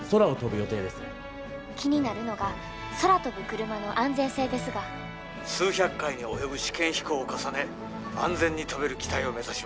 気になるのが空飛ぶクルマの安全性ですが「数百回に及ぶ試験飛行を重ね安全に飛べる機体を目指します」。